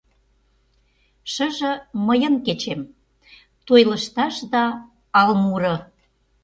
Шыже — мыйын кечем: Той лышташ да ал муро.